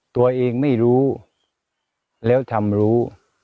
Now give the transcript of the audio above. ตัวเองไม่รู้แล้วทำรู้